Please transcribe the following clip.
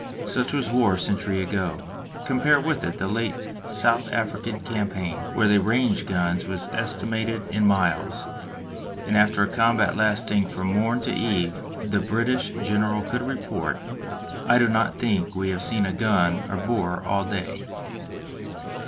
Such was war a century ago. Compare with it the late South African Campaign where the range of guns was estimated in miles, and after a combat lasting from morn to eve, the British general could report: "I do not think we have seen a gun or a Boer all day."